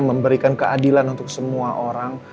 memberikan keadilan untuk semua orang